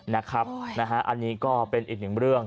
นะครับอันนี้ก็เป็นอีกหนึ่งเรื่อง